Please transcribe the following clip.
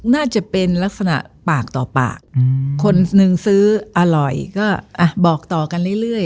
น่าจะเป็นลักษณะปากต่อปากคนนึงซื้ออร่อยก็บอกต่อกันเรื่อย